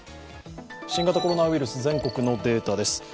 新型コロナウイルス全国のデータです。